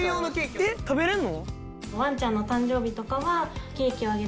えっ食べれるの？